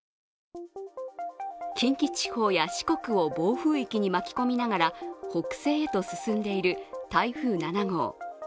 近畿地方や四国を暴風域に巻き込みながら北西へと進んでいる台風７号。